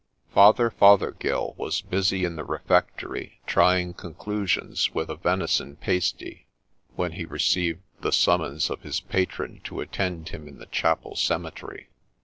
Father Fothergill was busy in the refectory trying conclusions with a venison pasty, when he received the summons of his patron to attend him in the chapel cemetery.